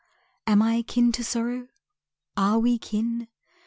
Am I kin to Sorrow? Are we kin?